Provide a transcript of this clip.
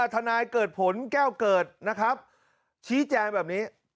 ทนายเกิดผลแก้วเกิดนะครับชี้แจงแบบนี้